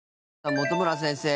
本村先生